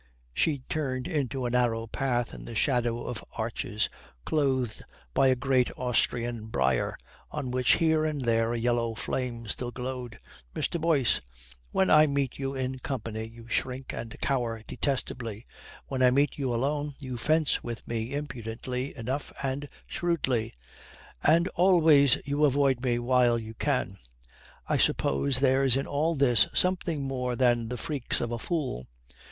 She turned into a narrow path in the shadow of arches, clothed by a great Austrian brier, on which here and there a yellow flame still glowed. "Mr. Boyce when I meet you in company you shrink and cower detestably; when I meet you alone, you fence with me impudently enough and shrewdly; and always you avoid me while you can. I suppose there's in all this something more than the freaks of a fool.